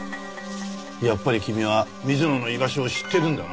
やっぱり君は水野の居場所を知ってるんだな？